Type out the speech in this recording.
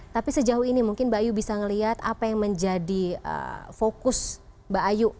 tapi sejauh ini mungkin mbak ayu bisa melihat apa yang menjadi fokus mbak ayu